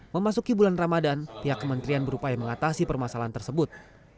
memasuki bulan ramadan pihak kementerian berupaya mengatasi permasalahan tersebut